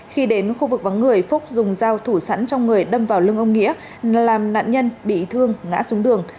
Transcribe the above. khi đến khu vực vắng người phúc dùng dao thủ sẵn trong người đâm vào lưng ông nghĩa làm nạn nhân bị thương ngã xuống đường